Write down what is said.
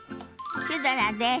シュドラです。